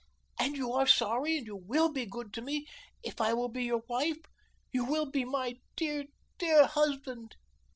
And you are sorry and you WILL be good to me if I will be your wife? You will be my dear, dear husband?"